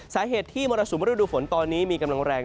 สาเหตุที่มรสุมฤดูฝนตอนนี้มีกำลังแรง